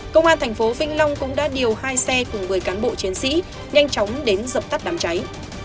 công an thành phố vĩnh long cũng đã điều hai xe cùng một mươi cán bộ chiến sĩ nhanh chóng đến dập tắt đám cháy